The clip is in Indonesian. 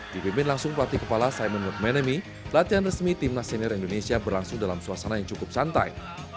dipimpin langsung pelatih kepala simon workmenemi latihan resmi timnas senior indonesia berlangsung dalam suasana yang cukup santai